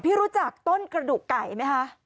รู้จักต้นกระดูกไก่ไหมคะ